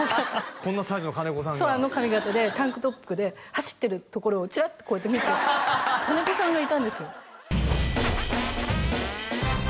こんなサイズの金子さんがそうあの髪形でタンクトップで走ってるところをチラッとこうやって見て金子さんがいたんですよ